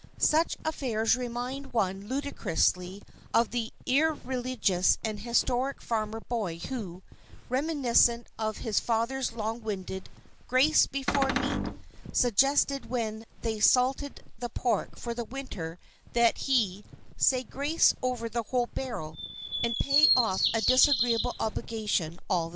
Such affairs remind one ludicrously of the irreligious and historic farmer boy who, reminiscent of his father's long winded "grace before meat," suggested when they salted the pork for the winter that he "say grace over the whole barrel" and pay off a disagreeable obligation all at one time.